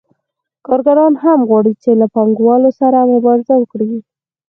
کارګران هم غواړي چې له پانګوالو سره مبارزه وکړي